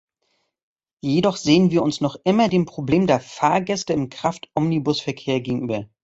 Jedoch sehen wir uns noch immer dem Problem der Fahrgäste im Kraftomnibusverkehr gegenüber.